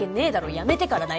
辞めてからだよ！